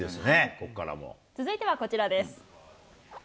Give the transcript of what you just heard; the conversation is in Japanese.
続いてはこちらです。